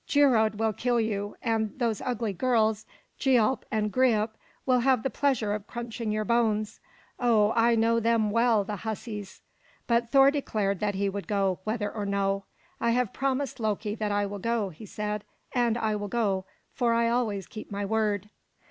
"Geirröd will kill you, and those ugly girls, Gialp and Greip, will have the pleasure of crunching your bones. Oh, I know them well, the hussies!" But Thor declared that he would go, whether or no. "I have promised Loki that I will go," he said, "and go I will; for I always keep my word."